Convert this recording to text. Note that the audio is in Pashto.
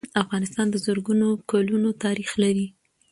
افغانستان د زرګونو کلونو تاریخ لري.